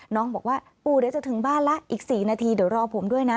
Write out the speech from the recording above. น้องบอกว่าปู่เดี๋ยวจะถึงบ้านละอีก๔นาทีเดี๋ยวรอผมด้วยนะ